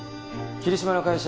霧島の会社